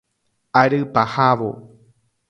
Ary pahávo.